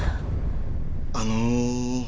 あの。